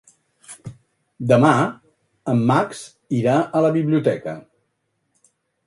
Demà en Max irà a la biblioteca.